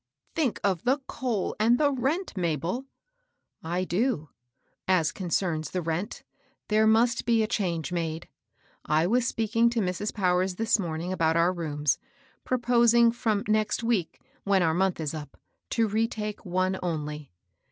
" Think of the coal and the rent, Mabd I "*' I do. As concerns the rent, there must be a change made. I was speaking to Mrs. Powers this morning about our rooms, proposing fi*om next week, when our month is up, to retake one only.